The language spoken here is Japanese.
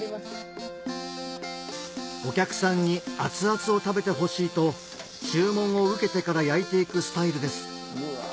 お客さんに熱々を食べてほしいと注文を受けてから焼いていくスタイルですうわ